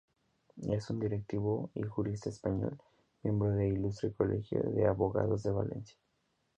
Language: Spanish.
Es un directivo y jurista español, miembro del Ilustre Colegio de Abogados de Valencia.